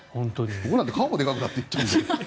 僕なんか顔もでかくなっていっちゃうんで。